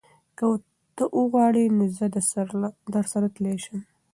که ته وغواړې نو زه درسره تلی شم.